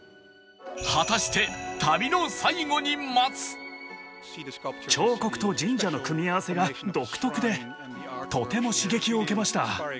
果たして旅の彫刻と神社の組み合わせが独特でとても刺激を受けました。